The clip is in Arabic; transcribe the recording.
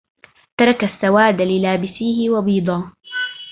ترك السواد للابسيه وبيضا